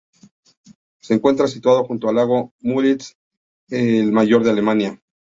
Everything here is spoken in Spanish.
Se encuentra situado junto al lago Müritz, el mayor de Alemania.